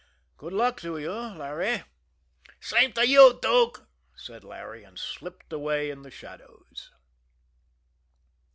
"Good luck to you, Larry." "Same to you, Dook," said Larry and slipped away in the shadows.